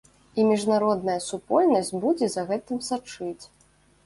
І міжнародная супольнасць будзе за гэтым сачыць.